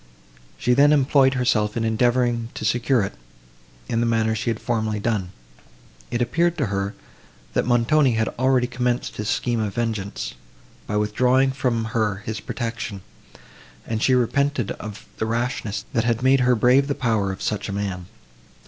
She then employed herself in endeavouring to secure it, in the manner she had formerly done. It appeared to her, that Montoni had already commenced his scheme of vengeance, by withdrawing from her his protection, and she repented of the rashness, that had made her brave the power of such a man.